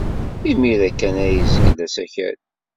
Imir-a kan ay yezgel asakal.